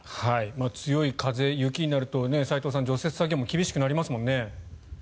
強い風、雪になると齋藤さん、除雪作業も厳しくなりますもんね。